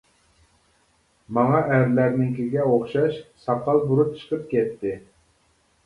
ماڭا ئەرلەرنىڭكىگە ئوخشاش ساقال-بۇرۇت چىقىپ كەتتى.